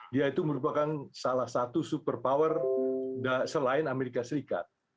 dia itu merupakan salah satu super power selain amerika serikat